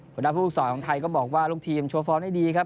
หัวหน้าภูมิสอนของไทยก็บอกว่าลูกทีมโชว์ฟอร์มให้ดีครับ